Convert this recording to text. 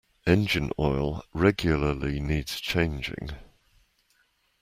Engine oil regularly needs changing.